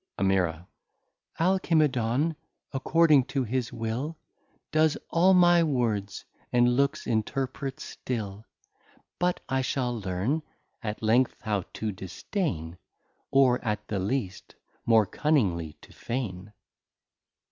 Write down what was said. Ami. Alcimedon according to his Will Does all my Words and Looks interpret still: But I shall learn at length how to Disdain, Or at the least more cunningly to feign.